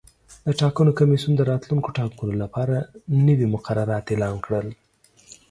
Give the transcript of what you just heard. د ټاکنو کمیسیون د راتلونکو ټاکنو لپاره نوي مقررات اعلان کړل.